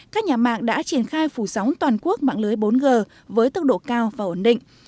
các nhà mạng đã triển khai phủ sóng toàn quốc mạng lưới bốn g với tốc độ cao và ổn định